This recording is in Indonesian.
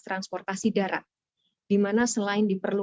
untuk memastikan bahwa semua ketentuan yang nanti akan diterapkan